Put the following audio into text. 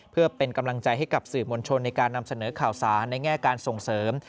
เพื่อเป็นกำลังใจให้กับสื่อมวลชนในการนำเสนอข่าวสารในแง่การส่งเสริม